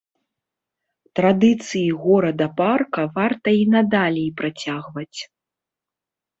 Традыцыі горада-парка варта і надалей працягваць!